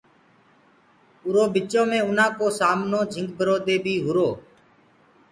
اِرو ٻِچو مي اُنآ ڪو سامنو جھنگ برو دي بي هُرو۔